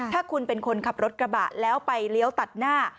ถ้าคุณเป็นคนขับรถกระบะแล้วไปเลี้ยวตัดหน้า